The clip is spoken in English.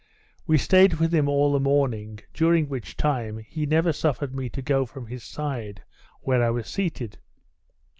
We staid with him all the morning, during which time, he never suffered me to go from his side, where he was seated.